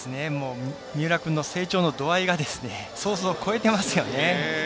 三浦君の成長の度合いが想像を超えていますよね。